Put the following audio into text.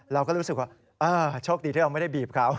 เราก็รู้สึกว่าโชคดีที่เราไม่ได้บีบเขา